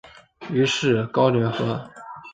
于是高睿与和士开都恨上高孝瑜。